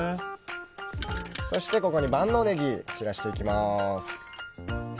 そしてここに万能ネギを散らしていきます。